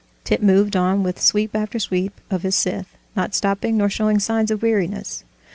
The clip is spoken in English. Tit moved on with sweep after sweep of his scythe, not stopping nor showing signs of weariness.